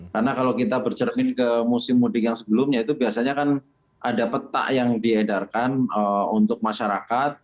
karena kalau kita bercermin ke musim mudik yang sebelumnya itu biasanya kan ada peta yang diedarkan untuk masyarakat